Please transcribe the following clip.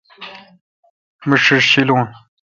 می ݭیݭ ݭیلون۔